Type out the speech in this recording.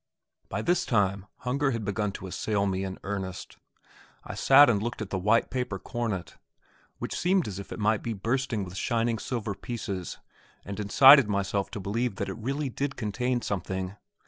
By this time hunger had begun to assail me in earnest. I sat and looked at the white paper cornet, which seemed as if it might be bursting with shining silver pieces, and incited myself to believe that it really did contain something.